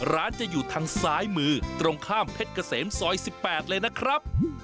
ร้านจะอยู่ทางซ้ายมือตรงข้ามเพชรเกษมซอย๑๘เลยนะครับ